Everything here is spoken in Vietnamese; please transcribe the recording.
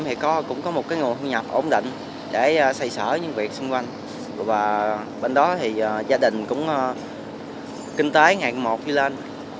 thân em thì cũng có một cái nguồn thu nhập ổn định để xây sở những việc xung quanh và bên đó thì gia đình cũng kinh tế ngạc nhiệt một đi lên